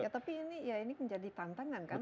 ya tapi ini menjadi tantangan kan